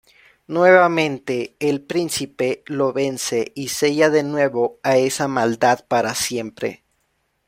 Nuevamente, el príncipe lo vence y sella de nuevo a esa maldad para siempre.